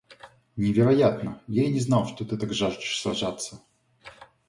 Невероятно! Я и не знал, что ты так жаждешь сражаться.